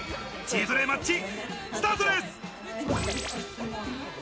チートデイマッチ、スタートです！